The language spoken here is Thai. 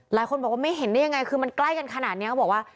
หลายคนบอกว่าไม่เห็นได้ยังไงคือมันใกล้กันขนาดนี้เขาบอกว่า